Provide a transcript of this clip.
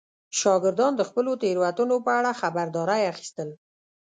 شاګردان د خپلو تېروتنو په اړه خبرداری اخیستل.